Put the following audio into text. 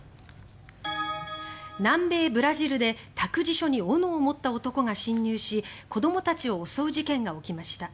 南米ブラジルで託児所に斧を持った男が侵入し子どもたちを襲う事件が起きました。